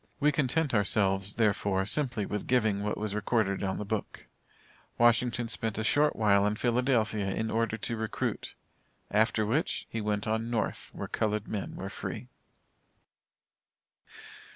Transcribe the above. We content ourselves, therefore, simply with giving what was recorded on the book. Wash. spent a short while in Philadelphia in order to recruit, after which, he went on North, where colored men were free.